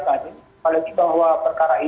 kalau kita bahwa perkara ini